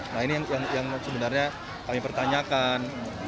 nah ini yang sebenarnya kami pertanyakan